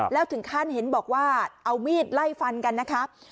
แล้วถึงขั้นเห็นบอกว่าเอามีดไล่ฟันกันนะครับ